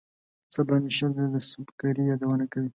څه باندې شل ځله د سُبکري یادونه کوي.